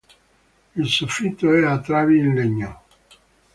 Il soffitto è a travi in legno.